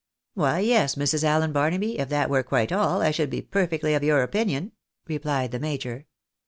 " Why yes, Mrs. Allen Barnaby, if that were quite all, I should be perfectly of your opinion," rephed the major.